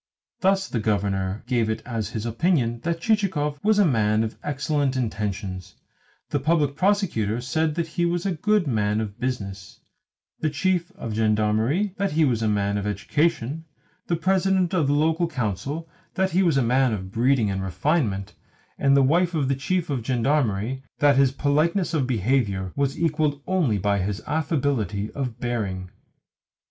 Thus the Governor gave it as his opinion that Chichikov was a man of excellent intentions; the Public Prosecutor, that he was a good man of business; the Chief of Gendarmery, that he was a man of education; the President of the Local Council, that he was a man of breeding and refinement; and the wife of the Chief of Gendarmery, that his politeness of behaviour was equalled only by his affability of bearing.